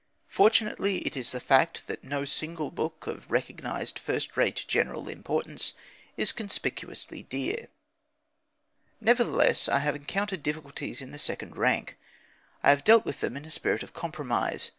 Fortunately it is the fact that no single book of recognised first rate general importance is conspicuously dear. Nevertheless, I have encountered difficulties in the second rank; I have dealt with them in a spirit of compromise.